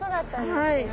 はい。